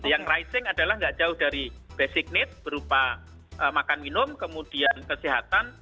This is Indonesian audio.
yang rising adalah nggak jauh dari basic need berupa makan minum kemudian kesehatan